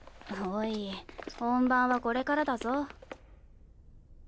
おい本番はこれからだぞ？